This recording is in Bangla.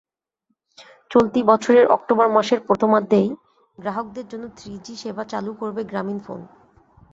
চলতি বছরের অক্টোবর মাসের প্রথমার্ধেই গ্রাহকদের জন্য থ্রিজি সেবা চালু করবে গ্রামীণফোন।